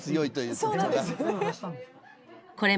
そうなんですよね。